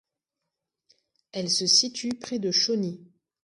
Elle se situe près de Chauny.